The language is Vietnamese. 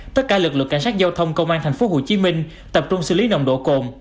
tất cả lực lượng cảnh sát giao thông công an tp hcm tập trung xử lý nồng độ cồn